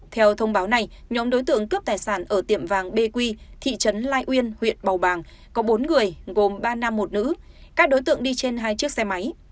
theo thông báo này nhóm đối tượng cướp tài sản ở tiệm vàng bq thị trấn lai uyên huyện bầu bàng có bốn người gồm ba nam một nữ các đối tượng đi trên hai chiếc xe máy